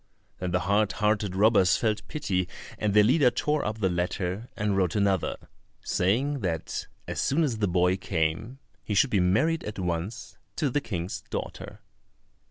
Then the hard hearted robbers felt pity, and their leader tore up the letter and wrote another, saying, that as soon as the boy came, he should be married at once to the King's daughter.